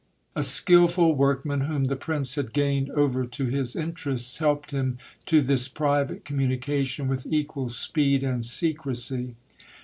A skilful workman, whom the prince had gained over to his interests, helped him to this private communication with equal speed and secrecy.